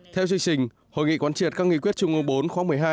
theo chương trình hội nghị quan triệt các nghị quyết chung ngôn bốn khóa một mươi hai